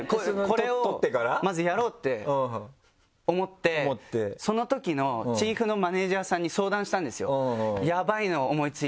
これをまずやろうって思ってそのときのチーフのマネージャーさんに相談したんですよ。